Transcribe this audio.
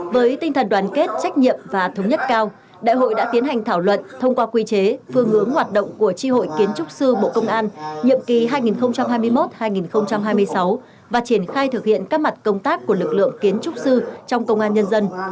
với tinh thần đoàn kết trách nhiệm và thống nhất cao đại hội đã tiến hành thảo luận thông qua quy chế phương hướng hoạt động của tri hội kiến trúc sư bộ công an nhiệm kỳ hai nghìn hai mươi một hai nghìn hai mươi sáu và triển khai thực hiện các mặt công tác của lực lượng kiến trúc sư trong công an nhân dân